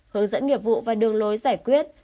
hướng dẫn nghiệp vụ và đường lối giải quyết